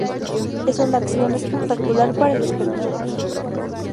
Es una acción espectacular para el espectador.